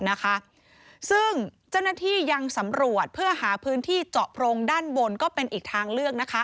นะคะซึ่งเจ้าหน้าที่ยังสำรวจเพื่อหาพื้นที่เจาะโพรงด้านบนก็เป็นอีกทางเลือกนะคะ